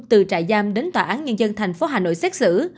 từ trại giam đến tòa án nhân dân thành phố hà nội xét xử